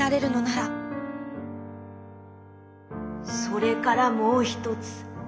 「それからもうひとつ。